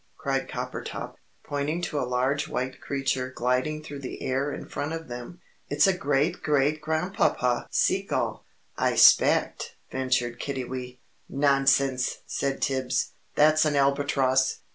cried Coppertop, pointing to a large white creature gliding through the air in front of them. "It's a great great grandpapa sea gull, I 'spect," ventured Kiddiwee. "Nonsense!" said Tibbs. "That's an Albatross."